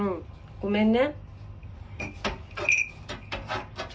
ごめんね。